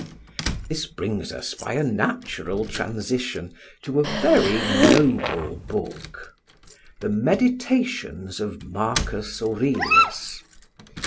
This brings us by a natural transition to a very noble book the Meditations of Marcus Aurelius.